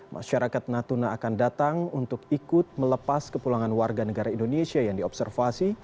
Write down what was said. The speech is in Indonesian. masyarakat natuna akan datang untuk ikut melepas kepulangan warga negara indonesia yang diobservasi